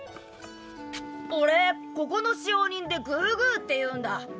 俺ここの使用人でグーグーっていうんだ。